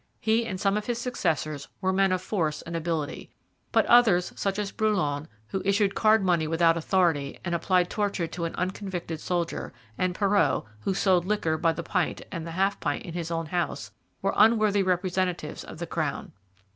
He and some of his successors were men of force and ability; but others, such as Brouillan, who issued card money without authority and applied torture to an unconvicted soldier, and Perrot, who sold liquor by the pint and the half pint in his own house, were unworthy representatives of the crown.